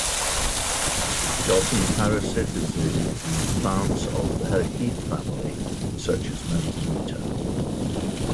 It often parasitizes plants of the heath family, such as manzanita.